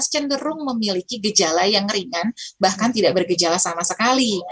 cenderung memiliki gejala yang ringan bahkan tidak bergejala sama sekali